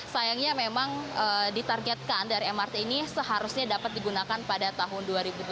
sayangnya memang ditargetkan dari mrt ini seharusnya dapat digunakan pada tahun dua ribu delapan belas